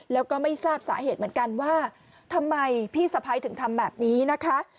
แล้วก็ไม่ทราบสาเหตุเหมือนกันว่าทำไมพี่สะพ้ายถึงทำแบบนี้นะคะ